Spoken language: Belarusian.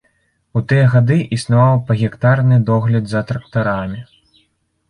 У тыя гады існаваў пагектарны догляд за трактарамі.